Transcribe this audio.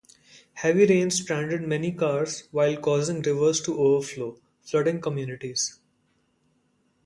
Heavy rains stranded many cars while causing rivers to overflow, flooding communities.